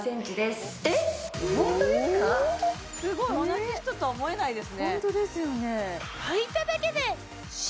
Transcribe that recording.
すごい同じ人とは思えないホントですよね